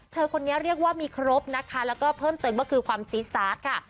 คนนี้เรียกว่ามีครบนะคะแล้วก็เพิ่มเติมก็คือความซีซาสค่ะ